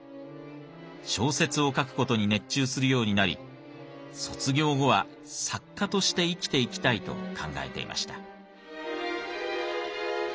小説を書く事に熱中するようになり卒業後は作家として生きていきたいと考えていました。